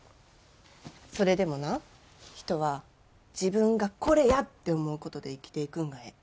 それでもな人は自分が「これや！」って思うことで生きていくんがええ。